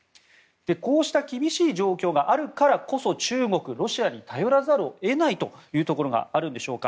こうした厳しい状況があるからこそ中国、ロシアに頼らざるを得ないところがあるんでしょうか。